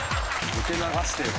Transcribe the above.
受け流してよ。